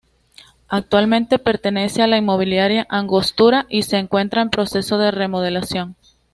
Actualmente pertenece a la Inmobiliaria Angostura y se encuentra en proceso de remodelación.